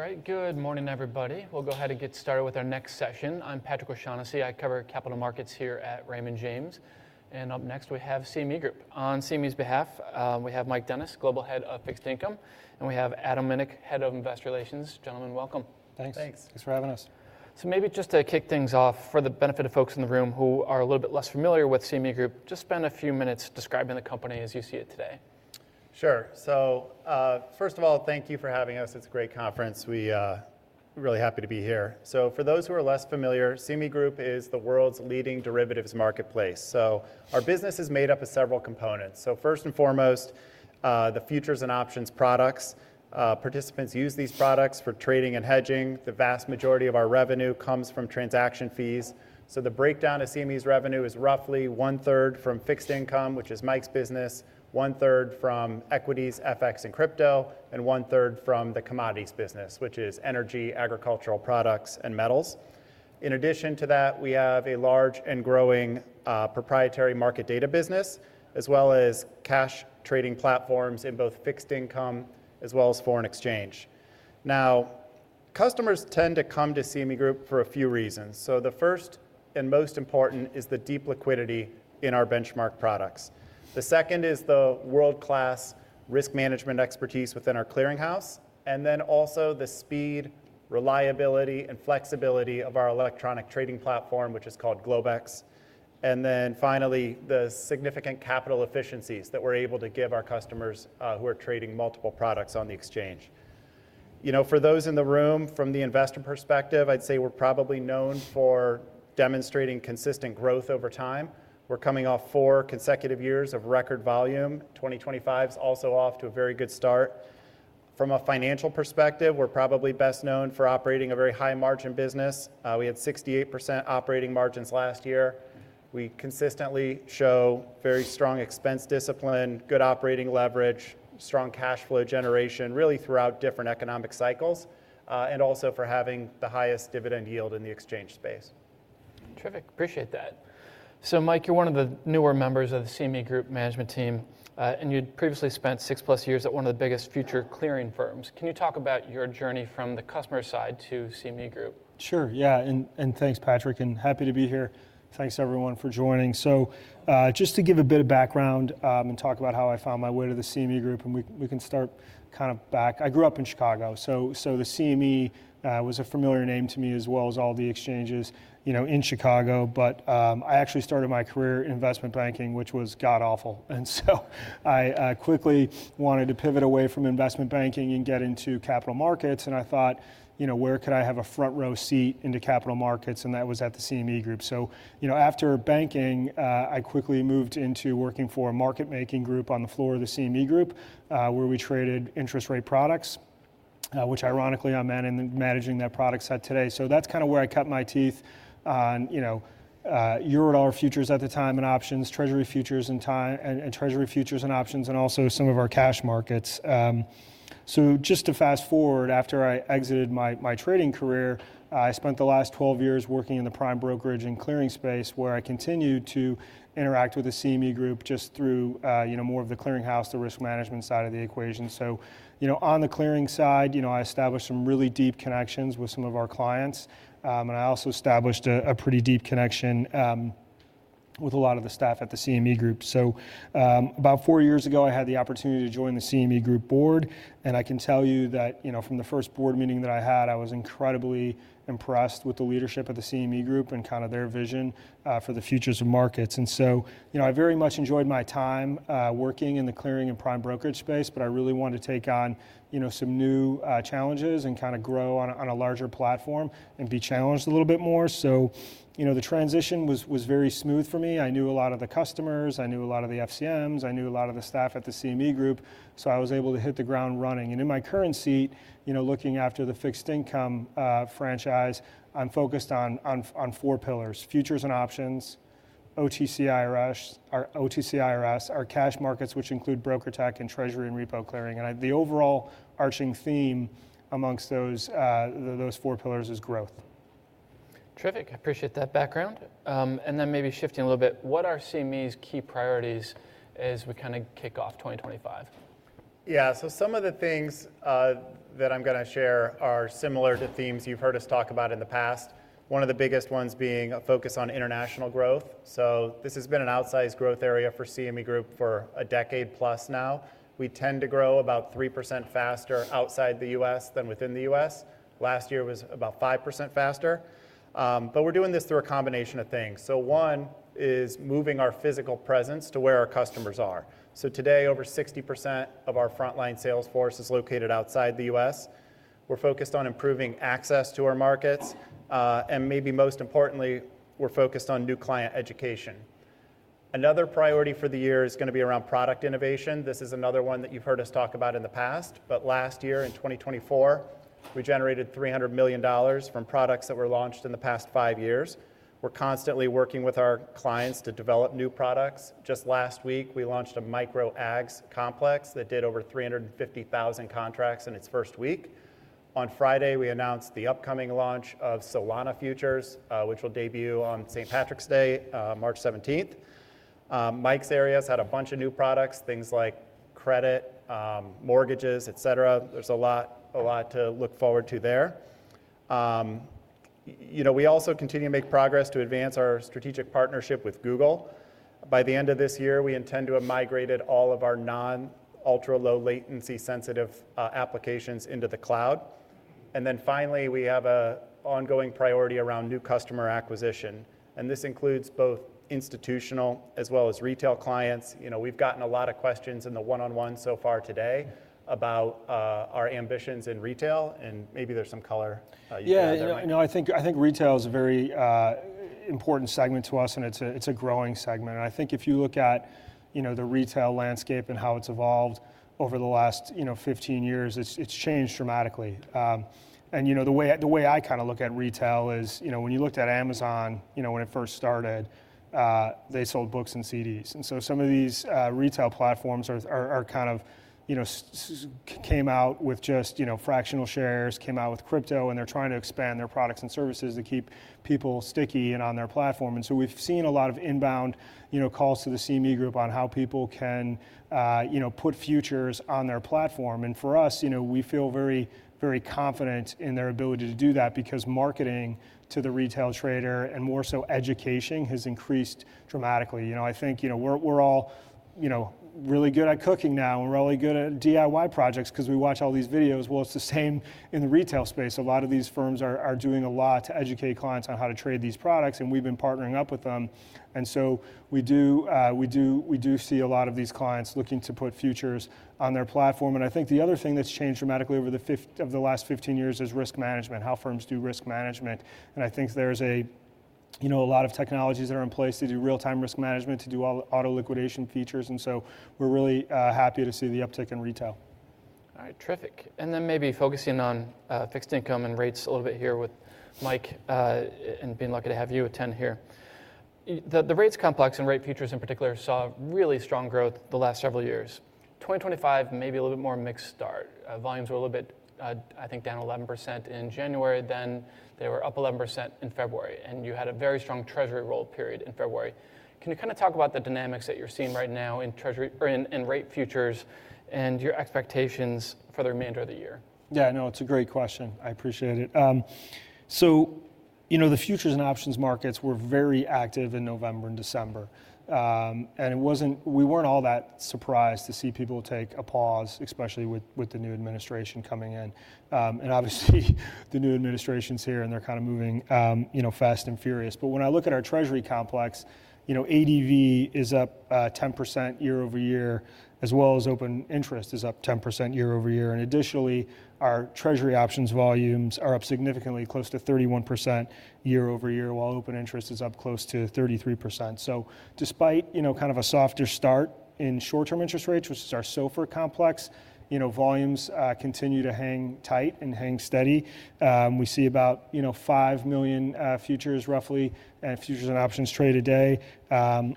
All right. Good morning, everybody. We'll go ahead and get started with our next session. I'm Patrick O'Shaughnessy. I cover capital markets here at Raymond James, and up next, we have CME Group. On CME's behalf, we have Mike Dennis, Global Head of Fixed Income, and we have Adam Minick, Head of Investor Relations. Gentlemen, welcome. Thanks. Thanks. Thanks for having us. So maybe just to kick things off, for the benefit of folks in the room who are a little bit less familiar with CME Group, just spend a few minutes describing the company as you see it today. Sure. So first of all, thank you for having us. It's a great conference. We're really happy to be here. So for those who are less familiar, CME Group is the world's leading derivatives marketplace. So our business is made up of several components. So first and foremost, the futures and options products. Participants use these products for trading and hedging. The vast majority of our revenue comes from transaction fees. So the breakdown of CME's revenue is roughly one-third from fixed income, which is Mike's business, one-third from equities, FX, and crypto, and one-third from the commodities business, which is energy, agricultural products, and metals. In addition to that, we have a large and growing proprietary market data business, as well as cash trading platforms in both fixed income as well as foreign exchange. Now, customers tend to come to CME Group for a few reasons. The first and most important is the deep liquidity in our benchmark products. The second is the world-class risk management expertise within our clearinghouse, and then also the speed, reliability, and flexibility of our electronic trading platform, which is called Globex. And then finally, the significant capital efficiencies that we're able to give our customers who are trading multiple products on the exchange. For those in the room, from the investor perspective, I'd say we're probably known for demonstrating consistent growth over time. We're coming off four consecutive years of record volume. 2025 is also off to a very good start. From a financial perspective, we're probably best known for operating a very high-margin business. We had 68% operating margins last year. We consistently show very strong expense discipline, good operating leverage, strong cash flow generation, really throughout different economic cycles, and also for having the highest dividend yield in the exchange space. Terrific. Appreciate that. So Mike, you're one of the newer members of the CME Group management team, and you'd previously spent six-plus years at one of the biggest futures clearing firms. Can you talk about your journey from the customer side to CME Group? Sure. Yeah. And thanks, Patrick. And happy to be here. Thanks, everyone, for joining. So just to give a bit of background and talk about how I found my way to the CME Group, and we can start kind of back. I grew up in Chicago. So the CME was a familiar name to me, as well as all the exchanges in Chicago. But I actually started my career in investment banking, which was godawful. And so I quickly wanted to pivot away from investment banking and get into capital markets. And I thought, where could I have a front-row seat into capital markets? And that was at the CME Group. So after banking, I quickly moved into working for a market-making group on the floor of the CME Group, where we traded interest-rate products, which ironically, I'm managing that product set today. So that's kind of where I cut my teeth on Eurodollar futures at the time and options, Treasury futures and options, and also some of our cash markets. So just to fast forward, after I exited my trading career, I spent the last 12 years working in the prime brokerage and clearing space, where I continued to interact with the CME Group just through more of the clearinghouse, the risk management side of the equation. So on the clearing side, I established some really deep connections with some of our clients. And I also established a pretty deep connection with a lot of the staff at the CME Group. So about four years ago, I had the opportunity to join the CME Group board. I can tell you that from the first board meeting that I had, I was incredibly impressed with the leadership of the CME Group and kind of their vision for the futures of markets. I very much enjoyed my time working in the clearing and prime brokerage space, but I really wanted to take on some new challenges and kind of grow on a larger platform and be challenged a little bit more. The transition was very smooth for me. I knew a lot of the customers. I knew a lot of the FCMs. I knew a lot of the staff at the CME Group. I was able to hit the ground running. In my current seat, looking after the fixed income franchise, I'm focused on four pillars: futures and options, OTC IRS, our cash markets, which include BrokerTec and Treasury and repo clearing. The overall overarching theme among those four pillars is growth. Terrific. Appreciate that background. And then maybe shifting a little bit, what are CME's key priorities as we kind of kick off 2025? Yeah, so some of the things that I'm going to share are similar to themes you've heard us talk about in the past, one of the biggest ones being a focus on international growth, so this has been an outsized growth area for CME Group for a decade-plus now. We tend to grow about 3% faster outside the U.S. than within the U.S. Last year was about 5% faster. But we're doing this through a combination of things, so one is moving our physical presence to where our customers are, so today, over 60% of our frontline salesforce is located outside the U.S. We're focused on improving access to our markets. And maybe most importantly, we're focused on new client education. Another priority for the year is going to be around product innovation. This is another one that you've heard us talk about in the past. But last year, in 2024, we generated $300 million from products that were launched in the past five years. We're constantly working with our clients to develop new products. Just last week, we launched a Micro Ags complex that did over 350,000 contracts in its first week. On Friday, we announced the upcoming launch of Solana Futures, which will debut on St. Patrick's Day, March 17th. Mike's areas had a bunch of new products, things like credit, mortgages, et cetera. There's a lot to look forward to there. We also continue to make progress to advance our strategic partnership with Google. By the end of this year, we intend to have migrated all of our non-ultra-low-latency sensitive applications into the cloud. And then finally, we have an ongoing priority around new customer acquisition. And this includes both institutional as well as retail clients. We've gotten a lot of questions in the one-on-one so far today about our ambitions in retail, and maybe there's some color you can bring in there. Yeah. I think retail is a very important segment to us, and it's a growing segment. And I think if you look at the retail landscape and how it's evolved over the last 15 years, it's changed dramatically. And the way I kind of look at retail is when you looked at Amazon when it first started, they sold books and CDs. And so some of these retail platforms kind of came out with just fractional shares, came out with crypto, and they're trying to expand their products and services to keep people sticky and on their platform. And so we've seen a lot of inbound calls to the CME Group on how people can put futures on their platform. And for us, we feel very confident in their ability to do that because marketing to the retail trader and more so education has increased dramatically. I think we're all really good at cooking now. We're really good at DIY projects because we watch all these videos. It's the same in the retail space. A lot of these firms are doing a lot to educate clients on how to trade these products. We've been partnering up with them. We do see a lot of these clients looking to put futures on their platform. I think the other thing that's changed dramatically over the last 15 years is risk management, how firms do risk management. I think there's a lot of technologies that are in place to do real-time risk management, to do auto liquidation features. We're really happy to see the uptick in retail. All right. Terrific. And then maybe focusing on fixed income and rates a little bit here with Mike and being lucky to have you attend here. The rates complex and rate futures in particular saw really strong growth the last several years. 2025 may be a little bit more mixed start. Volumes were a little bit, I think, down 11% in January. Then they were up 11% in February. And you had a very strong Treasury roll period in February. Can you kind of talk about the dynamics that you're seeing right now in rate futures and your expectations for the remainder of the year? Yeah. No, it's a great question. I appreciate it. So the futures and options markets were very active in November and December. And we weren't all that surprised to see people take a pause, especially with the new administration coming in. And obviously, the new administration's here, and they're kind of moving fast and furious. But when I look at our Treasury complex, ADV is up 10% year over year, as well as open interest is up 10% year over year. And additionally, our Treasury options volumes are up significantly, close to 31% year over year, while open interest is up close to 33%. So despite kind of a softer start in short-term interest rates, which is our SOFR complex, volumes continue to hang tight and hang steady. We see about five million futures, roughly, and futures and options trade a day.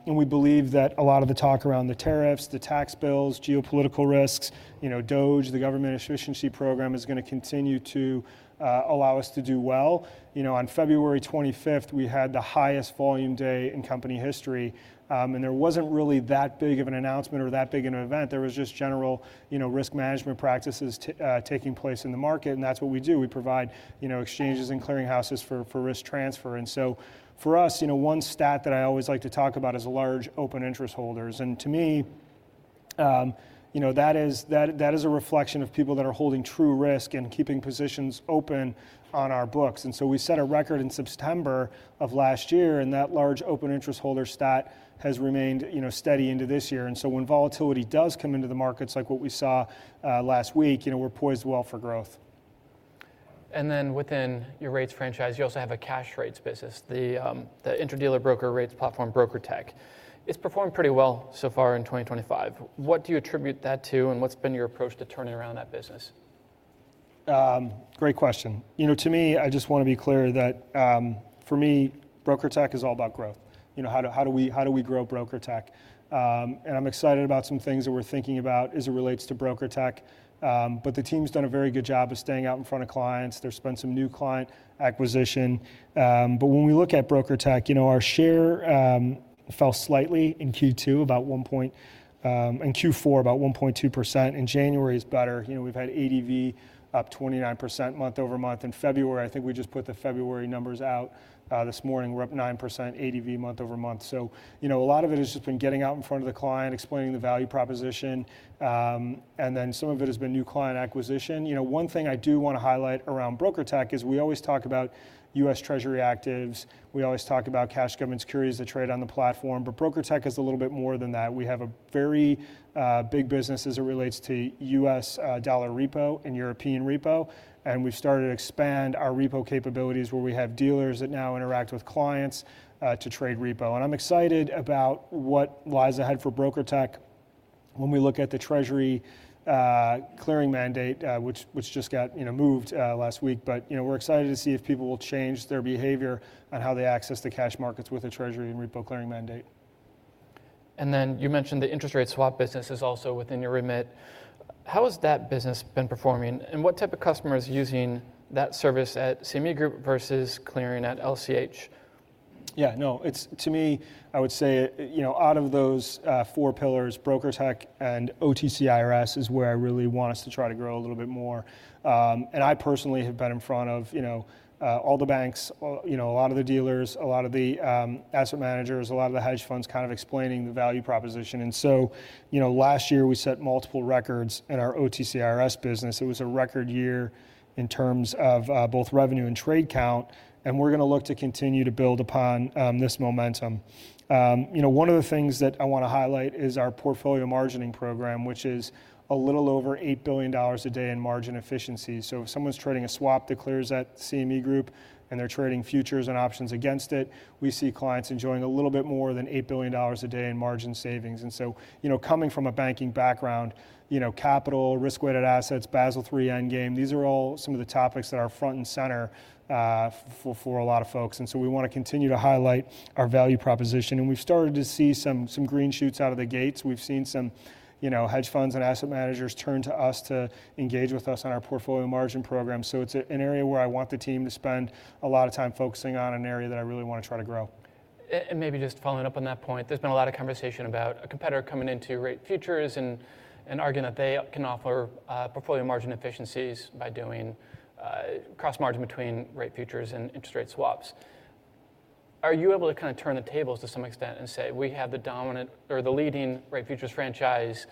We believe that a lot of the talk around the tariffs, the tax bills, geopolitical risks, DOGE, the government efficiency program, is going to continue to allow us to do well. On February 25th, we had the highest volume day in company history. And there wasn't really that big of an announcement or that big of an event. There was just general risk management practices taking place in the market. And that's what we do. We provide exchanges and clearinghouses for risk transfer. And so for us, one stat that I always like to talk about is large open interest holders. And to me, that is a reflection of people that are holding true risk and keeping positions open on our books. And so we set a record in September of last year, and that large open interest holder stat has remained steady into this year. When volatility does come into the markets, like what we saw last week, we're poised well for growth. Then within your rates franchise, you also have a cash rates business, the interdealer broker rates platform, BrokerTec. It's performed pretty well so far in 2025. What do you attribute that to, and what's been your approach to turning around that business? Great question. To me, I just want to be clear that for me, BrokerTec is all about growth. How do we grow BrokerTec? And I'm excited about some things that we're thinking about as it relates to BrokerTec. But the team's done a very good job of staying out in front of clients. There's been some new client acquisition. But when we look at BrokerTec, our share fell slightly in Q2 about 1.4%, about 1.2%. In January, it's better. We've had ADV up 29% month over month. In February, I think we just put the February numbers out this morning. We're up 9%, ADV month over month. So a lot of it has just been getting out in front of the client, explaining the value proposition. And then some of it has been new client acquisition. One thing I do want to highlight around BrokerTec is we always talk about U.S. Treasury actives. We always talk about cash government securities that trade on the platform. But BrokerTec is a little bit more than that. We have a very big business as it relates to U.S. dollar repo and European repo. And we've started to expand our repo capabilities, where we have dealers that now interact with clients to trade repo. And I'm excited about what lies ahead for BrokerTec when we look at the Treasury clearing mandate, which just got moved last week. But we're excited to see if people will change their behavior on how they access the cash markets with a Treasury and repo clearing mandate. And then you mentioned the interest rate swap business is also within your remit. How has that business been performing? And what type of customers using that service at CME Group versus clearing at LCH? Yeah. No, to me, I would say out of those four pillars, BrokerTec and OTC IRS is where I really want us to try to grow a little bit more. And I personally have been in front of all the banks, a lot of the dealers, a lot of the asset managers, a lot of the hedge funds kind of explaining the value proposition. And so last year, we set multiple records in our OTC IRS business. It was a record year in terms of both revenue and trade count. And we're going to look to continue to build upon this momentum. One of the things that I want to highlight is our portfolio margining program, which is a little over $8 billion a day in margin efficiency. So if someone's trading a swap that clears at CME Group and they're trading futures and options against it, we see clients enjoying a little bit more than $8 billion a day in margin savings. And so coming from a banking background, capital, risk-weighted assets, Basel III endgame, these are all some of the topics that are front and center for a lot of folks. And so we want to continue to highlight our value proposition. And we've started to see some green shoots out of the gates. We've seen some hedge funds and asset managers turn to us to engage with us on our portfolio margin program. So it's an area where I want the team to spend a lot of time focusing on an area that I really want to try to grow. And maybe just following up on that point, there's been a lot of conversation about a competitor coming into rate futures and arguing that they can offer portfolio margin efficiencies by doing cross-margin between rate futures and interest rate swaps. Are you able to kind of turn the tables to some extent and say, we have the dominant or the leading rate futures franchise,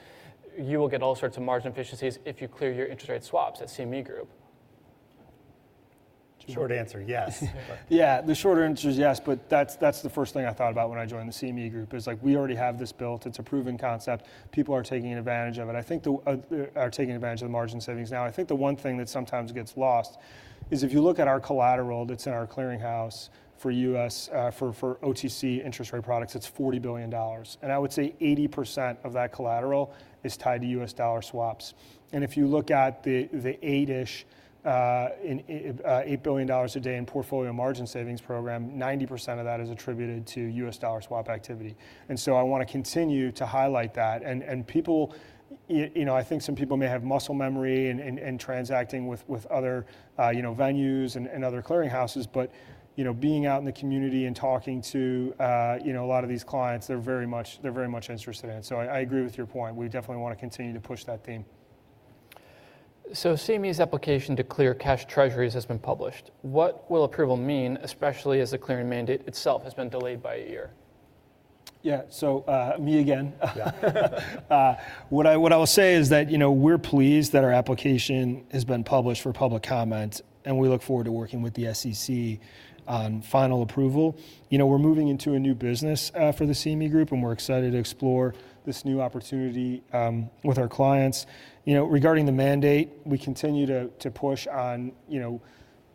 you will get all sorts of margin efficiencies if you clear your interest rate swaps at CME Group? Short answer, yes. Yeah. The short answer is yes. But that's the first thing I thought about when I joined the CME Group is we already have this built. It's a proven concept. People are taking advantage of it. I think they are taking advantage of the margin savings now. I think the one thing that sometimes gets lost is if you look at our collateral that's in our clearinghouse for OTC interest rate products, it's $40 billion. And I would say 80% of that collateral is tied to U.S. dollar swaps. And if you look at the eight-ish $8 billion a day in portfolio margin savings program, 90% of that is attributed to U.S. dollar swap activity. And so I want to continue to highlight that. And I think some people may have muscle memory in transacting with other venues and other clearinghouses. But being out in the community and talking to a lot of these clients, they're very much interested in it. So I agree with your point. We definitely want to continue to push that theme. So CME's application to clear cash Treasuries has been published. What will approval mean, especially as the clearing mandate itself has been delayed by a year? Yeah. So me again. What I will say is that we're pleased that our application has been published for public comment, and we look forward to working with the SEC on final approval. We're moving into a new business for the CME Group, and we're excited to explore this new opportunity with our clients. Regarding the mandate, we continue to push on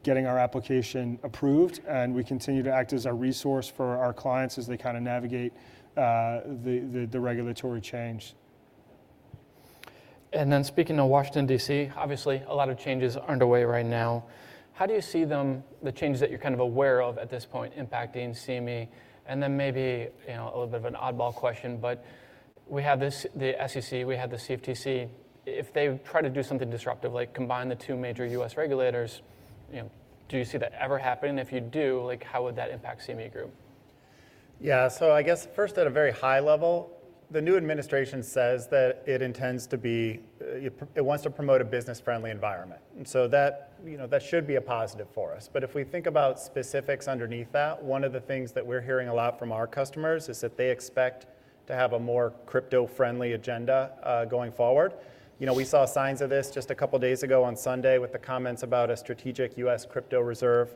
getting our application approved, and we continue to act as a resource for our clients as they kind of navigate the regulatory change. And then speaking of Washington, D.C., obviously, a lot of changes underway right now. How do you see them, the changes that you're kind of aware of at this point, impacting CME? And then maybe a little bit of an oddball question, but we have the SEC, we have the CFTC. If they try to do something disruptive, like combine the two major U.S. regulators, do you see that ever happening? If you do, how would that impact CME Group? Yeah. So, I guess first, at a very high level, the new administration says that it intends to be; it wants to promote a business-friendly environment, and so that should be a positive for us. But if we think about specifics underneath that, one of the things that we're hearing a lot from our customers is that they expect to have a more crypto-friendly agenda going forward. We saw signs of this just a couple of days ago on Sunday with the comments about a strategic U.S. crypto reserve.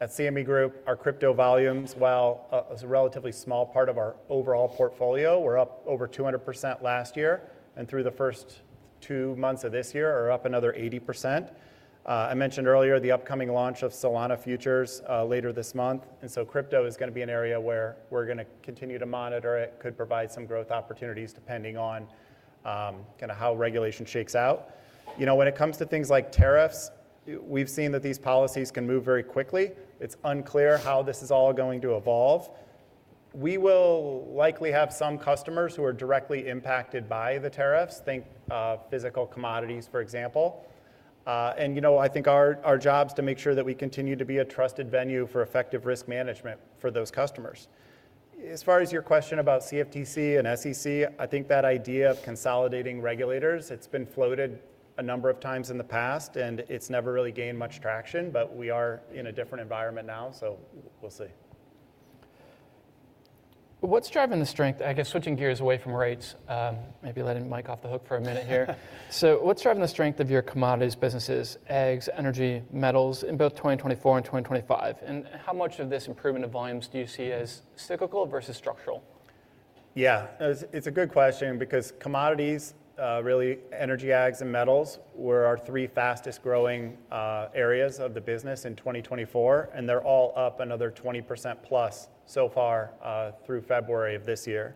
At CME Group, our crypto volumes, while a relatively small part of our overall portfolio, were up over 200% last year. And through the first two months of this year, are up another 80%. I mentioned earlier the upcoming launch of Solana futures later this month. And so crypto is going to be an area where we're going to continue to monitor. It could provide some growth opportunities depending on kind of how regulation shakes out. When it comes to things like tariffs, we've seen that these policies can move very quickly. It's unclear how this is all going to evolve. We will likely have some customers who are directly impacted by the tariffs, think physical commodities, for example. And I think our job is to make sure that we continue to be a trusted venue for effective risk management for those customers. As far as your question about CFTC and SEC, I think that idea of consolidating regulators, it's been floated a number of times in the past, and it's never really gained much traction. But we are in a different environment now, so we'll see. But what's driving the strength? I guess switching gears away from rates, maybe letting Mike off the hook for a minute here. So what's driving the strength of your commodities businesses, ags, energy, metals in both 2024 and 2025? And how much of this improvement of volumes do you see as cyclical versus structural? Yeah. It's a good question because commodities, really energy, ags and metals were our three fastest-growing areas of the business in 2024. And they're all up another 20% plus so far through February of this year.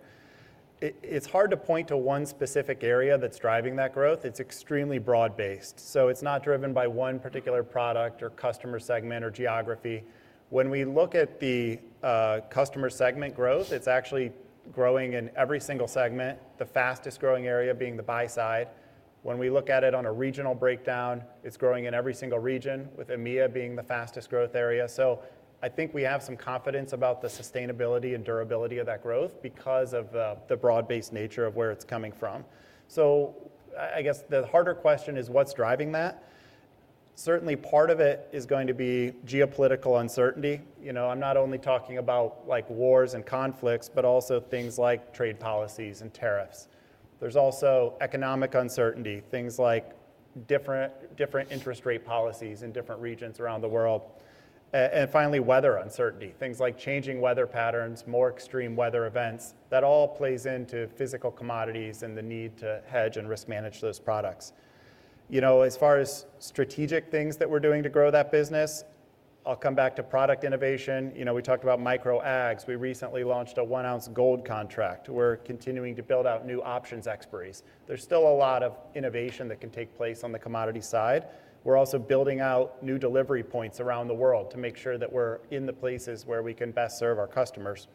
It's hard to point to one specific area that's driving that growth. It's extremely broad-based. So it's not driven by one particular product or customer segment or geography. When we look at the customer segment growth, it's actually growing in every single segment, the fastest-growing area being the buy-side. When we look at it on a regional breakdown, it's growing in every single region, with EMEA being the fastest-growing area. So I think we have some confidence about the sustainability and durability of that growth because of the broad-based nature of where it's coming from. So I guess the harder question is what's driving that? Certainly, part of it is going to be geopolitical uncertainty. I'm not only talking about wars and conflicts, but also things like trade policies and tariffs. There's also economic uncertainty, things like different interest rate policies in different regions around the world, and finally, weather uncertainty, things like changing weather patterns, more extreme weather events. That all plays into physical commodities and the need to hedge and risk manage those products. As far as strategic things that we're doing to grow that business, I'll come back to product innovation. We talked about micro-ags. We recently launched a one-ounce gold contract. We're continuing to build out new options expiries. There's still a lot of innovation that can take place on the commodity side. We're also building out new delivery points around the world to make sure that we're in the places where we can best serve our customers.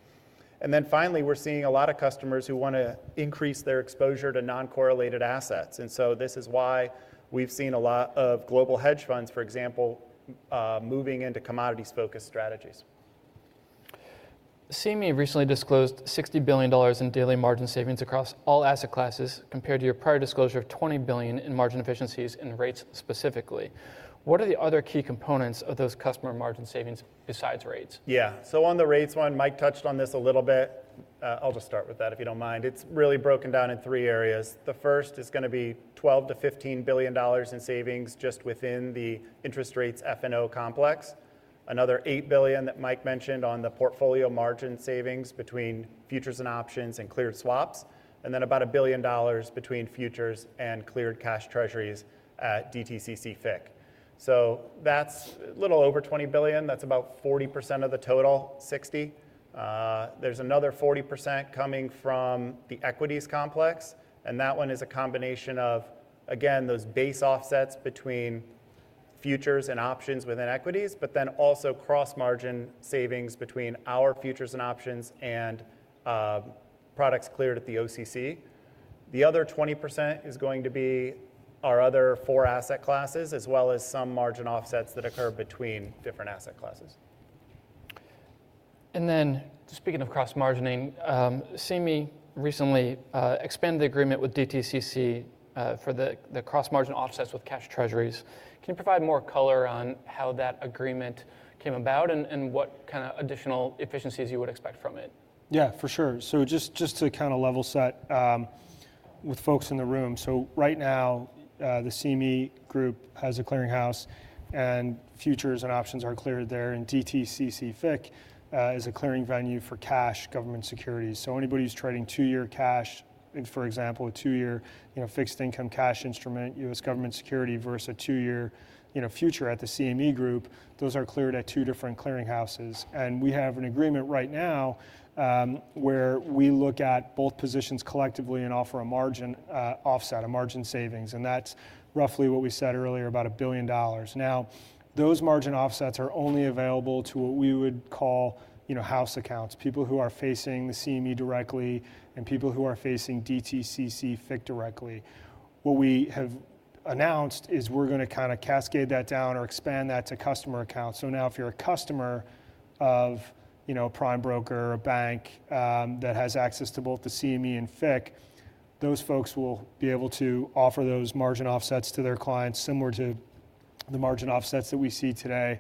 And then finally, we're seeing a lot of customers who want to increase their exposure to non-correlated assets. And so this is why we've seen a lot of global hedge funds, for example, moving into commodities-focused strategies. CME recently disclosed $60 billion in daily margin savings across all asset classes compared to your prior disclosure of $20 billion in margin efficiencies and rates specifically. What are the other key components of those customer margin savings besides rates? Yeah. So on the rates one, Mike touched on this a little bit. I'll just start with that, if you don't mind. It's really broken down in three areas. The first is going to be $12-$15 billion in savings just within the interest rates F&O complex. Another $8 billion that Mike mentioned on the portfolio margin savings between futures and options and cleared swaps. And then about $1 billion between futures and cleared cash treasuries at DTCC FICC. So that's a little over $20 billion. That's about 40% of the total, $60. There's another 40% coming from the equities complex. And that one is a combination of, again, those base offsets between futures and options within equities, but then also cross-margin savings between our futures and options and products cleared at the OCC. The other 20% is going to be our other four asset classes, as well as some margin offsets that occur between different asset classes. And then speaking of cross-margining, CME recently expanded the agreement with DTCC for the cross-margin offsets with cash Treasuries. Can you provide more color on how that agreement came about and what kind of additional efficiencies you would expect from it? Yeah, for sure, so just to kind of level set with folks in the room. Right now, the CME Group has a clearinghouse, and futures and options are cleared there, and DTCC FICC is a clearing venue for cash government securities. Anybody who's trading two-year cash, for example, a two-year fixed-income cash instrument, U.S. government security versus a two-year future at the CME Group, those are cleared at two different clearinghouses, and we have an agreement right now where we look at both positions collectively and offer a margin offset, a margin savings. That's roughly what we said earlier about $1 billion. Now, those margin offsets are only available to what we would call house accounts, people who are facing the CME directly and people who are facing DTCC FICC directly. What we have announced is we're going to kind of cascade that down or expand that to customer accounts. So now if you're a customer of a prime broker or a bank that has access to both the CME and FICC, those folks will be able to offer those margin offsets to their clients similar to the margin offsets that we see today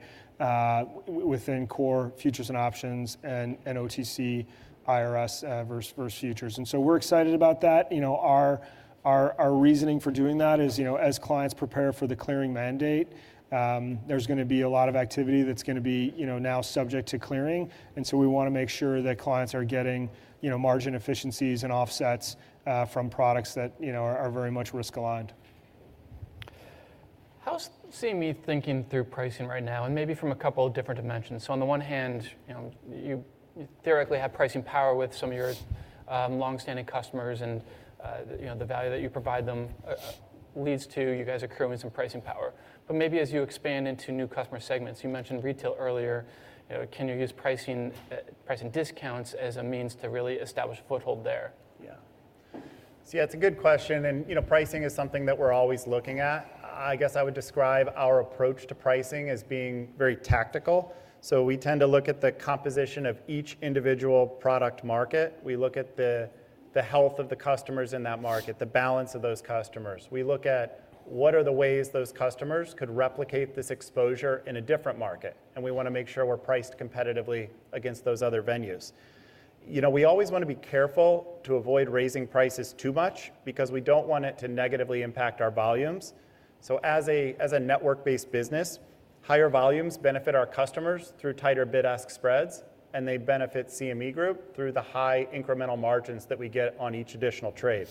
within core futures and options and OTC IRS versus futures. And so we're excited about that. Our reasoning for doing that is as clients prepare for the clearing mandate, there's going to be a lot of activity that's going to be now subject to clearing. And so we want to make sure that clients are getting margin efficiencies and offsets from products that are very much risk-aligned. How's CME thinking through pricing right now and maybe from a couple of different dimensions? So on the one hand, you theoretically have pricing power with some of your longstanding customers, and the value that you provide them leads to you guys accruing some pricing power. But maybe as you expand into new customer segments, you mentioned retail earlier. Can you use pricing discounts as a means to really establish a foothold there? Yeah. So yeah, it's a good question. And pricing is something that we're always looking at. I guess I would describe our approach to pricing as being very tactical. So we tend to look at the composition of each individual product market. We look at the health of the customers in that market, the balance of those customers. We look at what are the ways those customers could replicate this exposure in a different market. And we want to make sure we're priced competitively against those other venues. We always want to be careful to avoid raising prices too much because we don't want it to negatively impact our volumes. So as a network-based business, higher volumes benefit our customers through tighter bid-ask spreads, and they benefit CME Group through the high incremental margins that we get on each additional trade.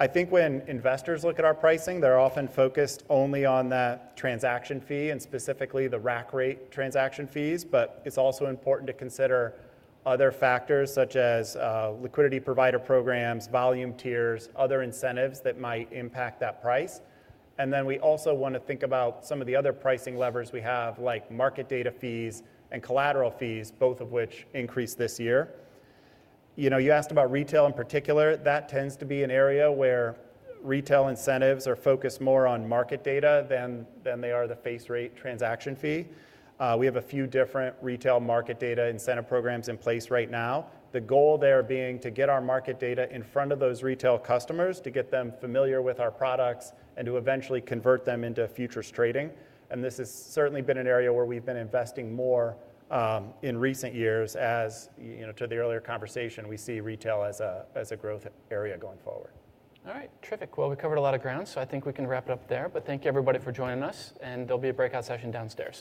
I think when investors look at our pricing, they're often focused only on that transaction fee and specifically the rack rate transaction fees, but it's also important to consider other factors such as liquidity provider programs, volume tiers, other incentives that might impact that price, and then we also want to think about some of the other pricing levers we have, like market data fees and collateral fees, both of which increased this year. You asked about retail in particular. That tends to be an area where retail incentives are focused more on market data than they are the face rate transaction fee. We have a few different retail market data incentive programs in place right now. The goal there being to get our market data in front of those retail customers to get them familiar with our products and to eventually convert them into futures trading. This has certainly been an area where we've been investing more in recent years as to the earlier conversation, we see retail as a growth area going forward. All right. Terrific. Well, we covered a lot of ground, so I think we can wrap it up there. But thank you, everybody, for joining us. And there'll be a breakout session downstairs.